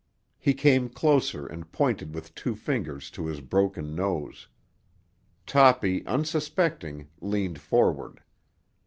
He came closer and pointed with two fingers to his broken nose. Toppy, unsuspecting, leaned forward.